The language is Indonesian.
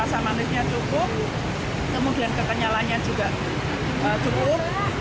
rasa manisnya cukup kemudian ketenyalannya juga cukup